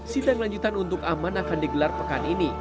sidang lanjutan untuk aman akan digelar pekan ini